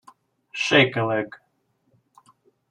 Shake a leg!